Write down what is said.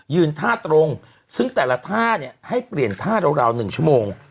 ท่าตรงซึ่งแต่ละท่าเนี่ยให้เปลี่ยนท่าราว๑ชั่วโมง